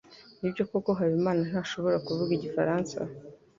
Nibyo koko Habimana ntashobora kuvuga igifaransa?